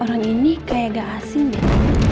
orang ini kayak agak asing deh